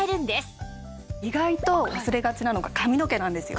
意外と忘れがちなのが髪の毛なんですよ。